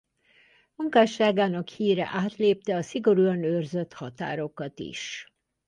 Munkásságának híre átlépte a szigorúan őrzött határokat is.